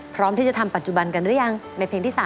พร้อมที่จะทำปัจจุบันกันหรือยังในเพลงที่๓